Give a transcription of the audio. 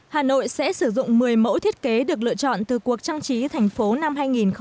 hà nội sẽ sử dụng một mươi mẫu thiết kế được lựa chọn từ cuộc trang trí thành phố năm hai nghìn một mươi chín